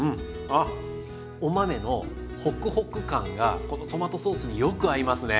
ああお豆のホクホク感がこのトマトソースによく合いますね。